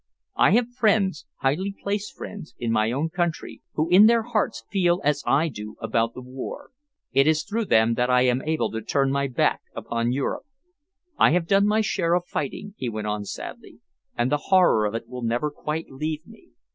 I have friends highly placed friends in my own country, who in their hearts feel as I do about the war. It is through them that I am able to turn my back upon Europe. I have done my share of fighting," he went on sadly, "and the horror of it will never quite leave me.